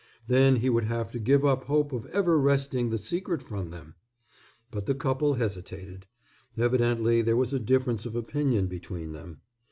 Then he would have to give up hope of ever wresting the secret from them. But the couple hesitated. Evidently there was a difference of opinion between them.